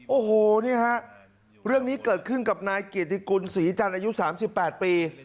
โอ้โหนี่ฮะเรื่องนี้เกิดขึ้นกับนายเกียรติกุลศรีจันทร์อายุ๓๘ปี